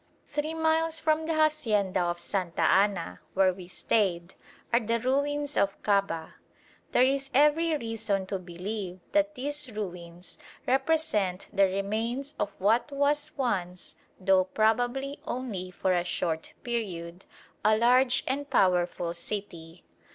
Three miles from the hacienda of Santa Anna, where we stayed, are the ruins of Kabah. There is every reason to believe that these ruins represent the remains of what was once, though probably only for a short period, a large and powerful city.